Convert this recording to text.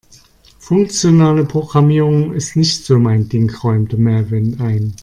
Funktionale Programmierung ist nicht so mein Ding, räumte Melvin ein.